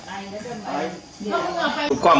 วันนี้ก็เอาเทียนเหลือง